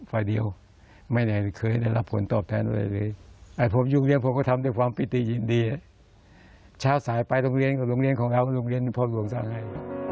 ภาคเดียวไม่เคยได้รับผลตอบแทนอะไรอะไร